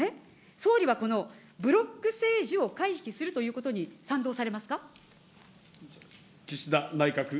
総理はこのブロック政治を回避するということに賛同されますか。